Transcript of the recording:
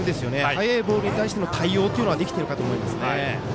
速いボールに対して対応できているかと思いますね。